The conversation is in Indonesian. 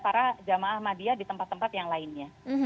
para jamaah ahmadiyah di tempat tempat yang lainnya